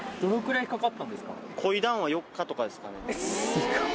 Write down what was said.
すごい。